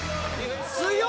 ・強い！